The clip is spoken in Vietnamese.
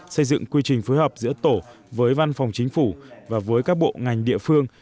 xây dựng quy trình phối hợp giữa tổ với văn phòng chính phủ và với các bộ ngành địa phương